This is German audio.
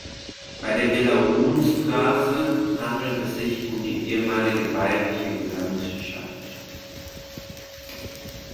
Bei der Villa Roonstraße handelt es sich um die ehemalige bayerische Gesandtschaft.